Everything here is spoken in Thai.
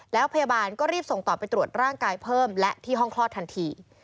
แล้วพยาบาลก็รีบส่งต่อไปตรวจร่างกายเพิ่มและที่ห้องคลอดทันที